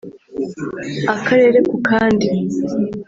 akarere ku kandi